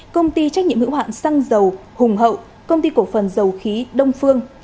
công ty trách nhiệm hữu hạn xăng dầu hùng hậu công ty cổ phần dầu khí đông phương